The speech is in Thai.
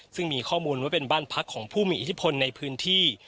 ซึ่งมีข้อมูลว่าเป็นบ้านพักของผู้มีอิทธิพลในพื้นที่